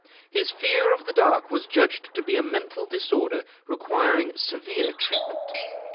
His fear of the dark was judged to be a mental disorder requiring severe treatment.